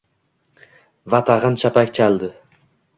va tag‘in chapak chaldi.